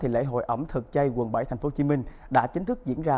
lễ hội ẩm thực chay quận bảy tp hcm đã chính thức diễn ra